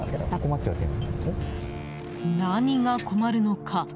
何が困るのか？